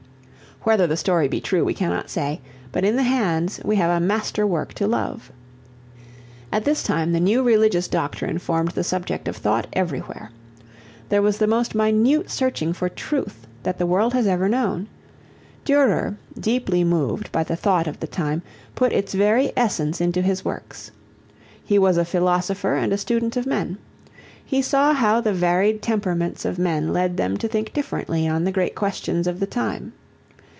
Whether the story be true we cannot say, but in the hands we have a master work to love. At this time the new religious doctrine formed the subject of thought everywhere. There was the most minute searching for truth that the world has ever known. Durer, deeply moved by the thought of the time, put its very essence into his works. He was a philosopher and a student of men. He saw how the varied temperaments of men led them to think differently on the great questions of the time.